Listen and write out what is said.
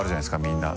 みんな。